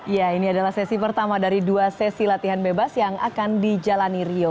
ya ini adalah sesi pertama dari dua sesi latihan bebas yang akan dijalani rio